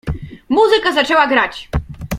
Muzyka zaczęła grać.